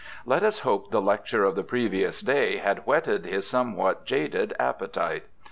Let us hope the lecture of the previous da}' had whetted his somewhat jaded appetite.